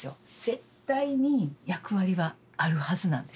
絶対に役割はあるはずなんですよね。